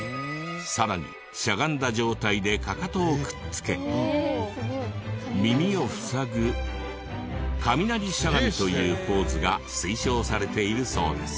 さらにしゃがんだ状態でかかとをくっつけ耳をふさぐ雷しゃがみというポーズが推奨されているそうです。